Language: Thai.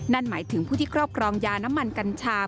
นั่นหมายถึงผู้ที่ครอบครองยาน้ำมันกัญชา